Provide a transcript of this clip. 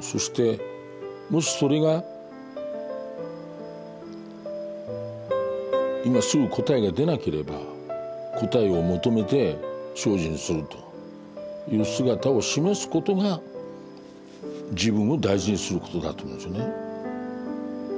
そしてもしそれが今すぐ答えが出なければ答えを求めて精進するという姿を示すことが自分を大事にすることだと思うんですよね。